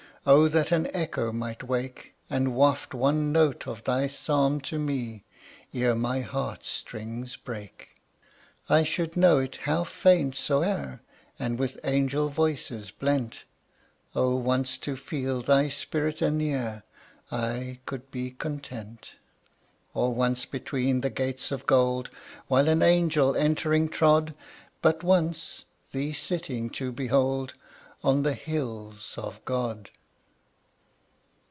O that an echo might wake And waft one note of thy psalm to me Ere my heart strings break! I should know it how faint soe'er, And with angel voices blent; O once to feel thy spirit anear, I could be content! Or once between the gates of gold, While an angel entering trod, But once thee sitting to behold On the hills of God!